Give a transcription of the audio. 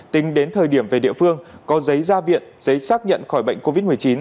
tính đến thời điểm về địa phương có giấy ra viện giấy xác nhận khỏi bệnh covid một mươi chín